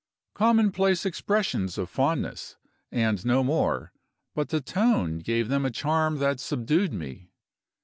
Commonplace expressions of fondness, and no more; but the tone gave them a charm that subdued me.